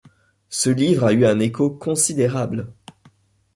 Ce livre a eu un écho considérable.